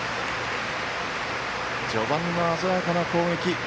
序盤の鮮やかな攻撃。